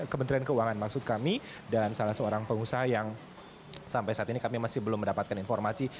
kementerian keuangan maksud kami dan salah seorang pengusaha yang sampai saat ini kami masih belum mendapatkan informasi